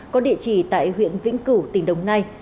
có địa chỉ tại huyện vĩnh cửu tỉnh đồng nai